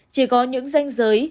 chỉ có những danh giới